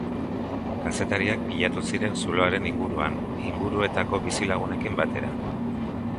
Kazetariak pilatu ziren zuloaren inguruan, inguruetako bizilagunekin batera.